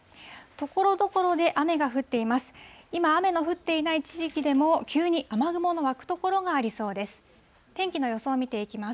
ところどころで雨が降っています。